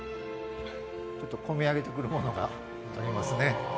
ちょっとこみ上げてくるものがありますね。